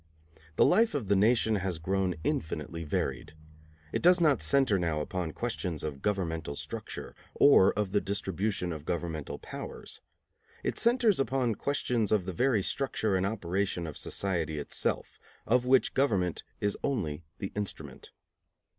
The life of the nation has grown infinitely varied. It does not centre now upon questions of governmental structure or of the distribution of governmental powers. It centres upon questions of the very structure and operation of society itself, of which government is only the instrument.